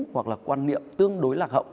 hoặc là quan niệm tương đối lạc hậu